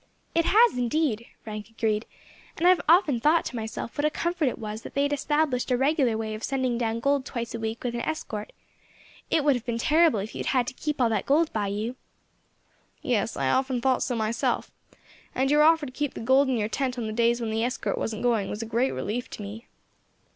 "It has indeed," Frank agreed, "and I have often thought to myself what a comfort it was that they had established a regular way of sending down gold twice a week with an escort; it would have been terrible if you had had to keep all that gold by you." "Yes, I often thought so myself, and your offer to keep the gold in your tent on the days when the escort wasn't going was a great relief to me."